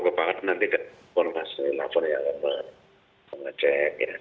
nanti kita akan menghasilkan laporan yang akan mengecek ya